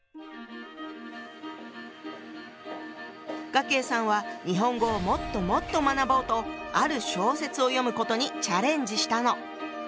雅馨さんは日本語をもっともっと学ぼうとある小説を読むことにチャレンジしたの。